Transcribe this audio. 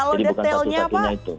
jadi bukan satu satunya itu